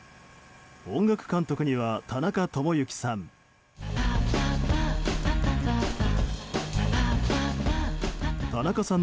音楽監督には田中知之さん。